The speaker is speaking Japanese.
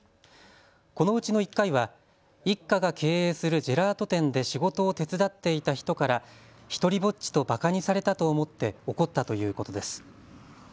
このうちの１回は一家が経営するジェラート店で仕事を手伝っていた人から独りぼっちとばかにされたと思って怒ったということです。